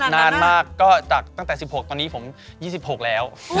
นานมากก็จากตั้งแต่๑๖ตอนนี้ผม๒๖แล้ว